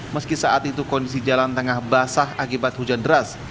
meski saat itu kondisi jalan tengah basah akibat hujan deras